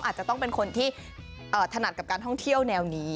อาจจะต้องเป็นคนที่ถนัดกับการท่องเที่ยวแนวนี้